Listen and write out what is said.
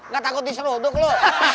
gak takut diserodok lo